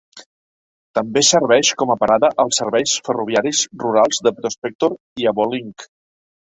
També serveix com a parada als serveis ferroviaris rurals de Prospector i Avonlink.